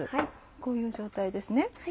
こういう状態ですね。